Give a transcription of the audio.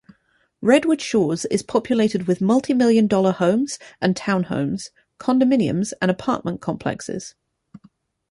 Redwood Shores is populated with multimillion-dollar homes and town-homes, condominiums, and apartment complexes.